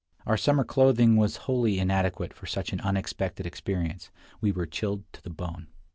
Our summer clothing was wholly inadequate for such an unexpected experience; we were chilled to the bone.